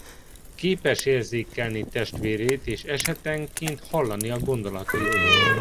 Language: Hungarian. Képes érzékelni testvérét és esetenként hallani a gondolatait is.